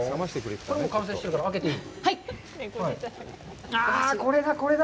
これはもう完成しているからあけていい？